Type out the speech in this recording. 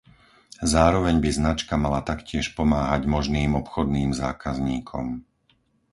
Zároveň by značka mala taktiež pomáhať možným obchodným zákazníkom.